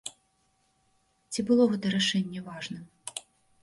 Ці было гэта рашэнне важным?